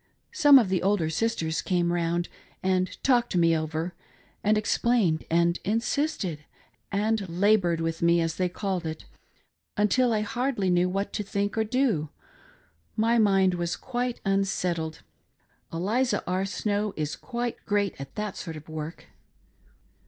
Some of the older sisters came round and talked me over, and explained and insisted, and ''labored" with me as they called it, until I hardly knew what to think or do n my mind was quite unsettled. Eliza R. Snow is quite great at that sort of work.